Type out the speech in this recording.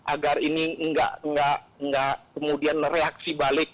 agar ini nggak kemudian reaksi balik